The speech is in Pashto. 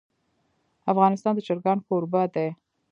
افغانستان د چرګان کوربه دی.